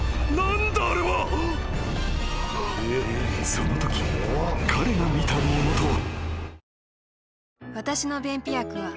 ［そのとき彼が見たものとは］